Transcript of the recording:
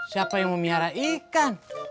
siapa yang mau mihara ikan